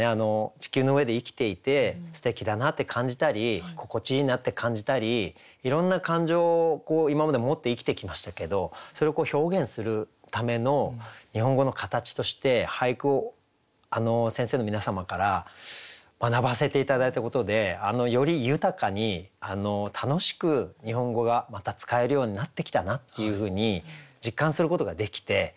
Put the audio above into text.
地球の上で生きていてすてきだなって感じたり心地いいなって感じたりいろんな感情を今まで持って生きてきましたけどそれを表現するための日本語の形として俳句を先生の皆様から学ばせて頂いたことでより豊かに楽しく日本語がまた使えるようになってきたなっていうふうに実感することができて。